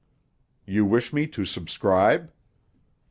"You wish me to subscribe?"